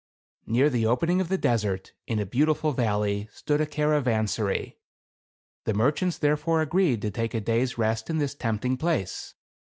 Near the opening of the desert, in a beautiful valley, stood a caravansary. The merchants therefore agreed to take a day's rest in this tempting place.